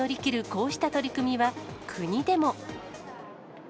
こうした取り組みは国でも。